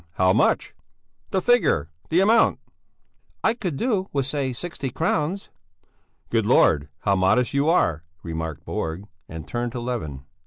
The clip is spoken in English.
How much? The figure! The amount!" "I could do with, say, sixty crowns." "Good Lord, how modest you are," remarked Borg, and turned to Levin.